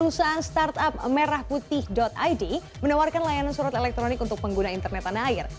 perusahaan startup merah putih id menawarkan layanan surat elektronik untuk pengguna internet tanah air